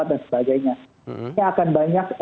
dan sebagainya ini akan banyak